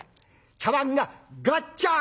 茶碗がガッチャン！